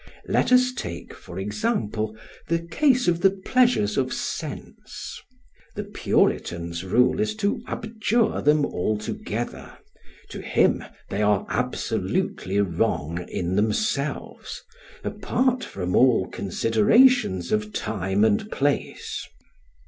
Let us take, for example, the case of the pleasures of sense. The puritan's rule is to abjure them altogether; to him they are absolutely wrong in themselves, apart from all considerations of time and place.